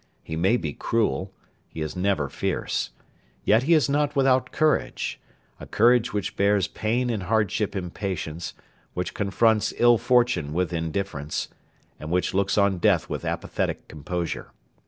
He may be cruel. He is never fierce. Yet he is not without courage a courage which bears pain and hardship in patience, which confronts ill fortune with indifference, and which looks on death with apathetic composure.